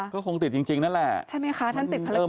ก็คงติดจริงนั่นแหละใช่ไหมคะท่านติดภารกิจ